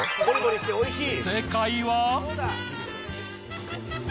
正解は。